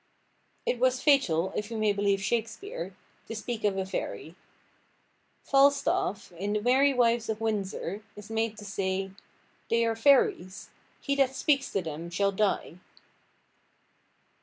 It was fatal, if we may believe Shakespeare, to speak to a fairy. Falstaff, in The Merry Wives of Windsor, is made to say, "They are fairies. He that speaks to them shall die."